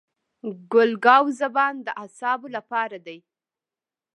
ګل ګاو زبان د اعصابو لپاره دی.